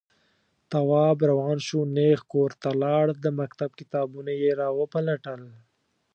تواب روان شو، نېغ کور ته لاړ، د مکتب کتابونه يې راوپلټل.